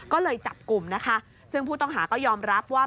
ก็เลยจับกลุ่มนะคะซึ่งผู้ต้องหาก็ยอมรับว่า